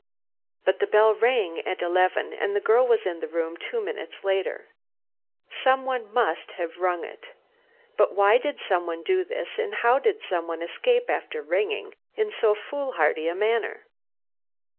But the bell rang at eleven, and the girl was in the room two minutes later. Someone must have rung it. But why did someone do this, and how did someone escape after ringing in so fool hardy a manner?"